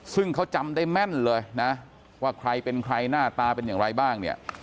ซึ่งเขาจำได้แม่นเลยนะว่าใครเป็นใครหน้าตาเป็นอย่างไรบ้างเนี่ย